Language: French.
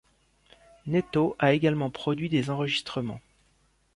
Naitoh a également produit des enregistrements.